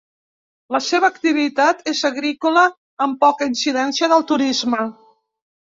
La seva activitat és agrícola amb poca incidència del turisme.